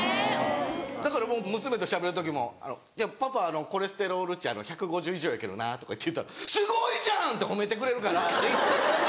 だから娘としゃべる時も「パパのコレステロール値１５０以上やけどな」って言ったら「すごいじゃん！」って褒めてくれるから。